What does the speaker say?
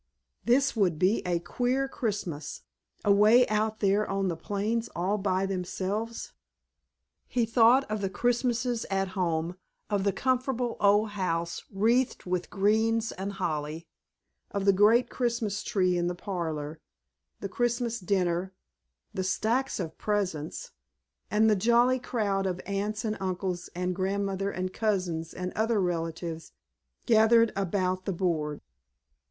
_ This would be a queer Christmas, away out there on the plains all by themselves! He thought of the Christmases at home, of the comfortable old house wreathed with greens and holly, of the great Christmas tree in the parlor, the Christmas dinner, the stacks of presents, and the jolly crowd of aunts and uncles and grandmother and cousins and other relatives gathered about the board.